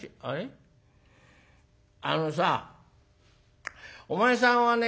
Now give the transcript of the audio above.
あのさお前さんはね